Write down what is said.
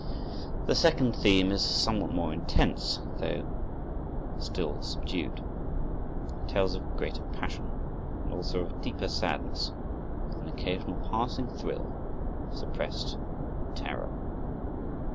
The second theme is somewhat more intense, though still subdued. It tells of greater passion and also of deeper sadness, with an occasional passing thrill of suppressed terror.